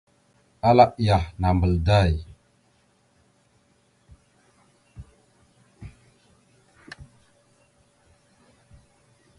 Ala iyah, nambal day !